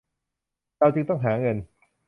เราจึงต้องหาเงิน